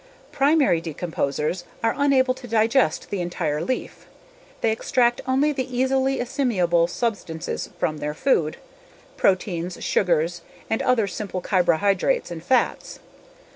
Primary decomposers are unable to digest the entire leaf. They extract only the easily assimilable substances from their food: proteins, sugars and other simple carbohydrates and fats.